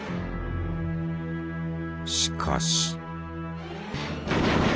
しかし。